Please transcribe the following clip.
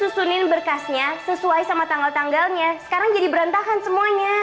sekarang jadi berantakan semuanya